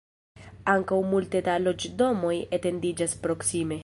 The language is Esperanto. Ankaŭ multe da loĝdomoj etendiĝas proksime.